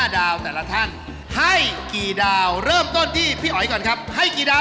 เอาละครับพี่หาย